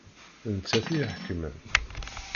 D nettat i iḥekmen.